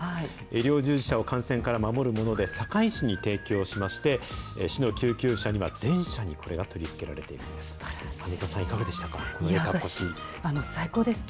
医療従事者を感染から守るもので、堺市に提供しまして、市の救急車には全車にこれが取り付けられているということです。